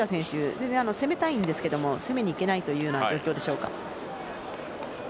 全然攻めたいんですけど攻めに行けないというような状況でしょうか。